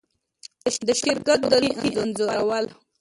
د شرکت د لوحې انځورول